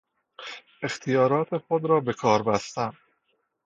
اختیارات خود را به کار بستن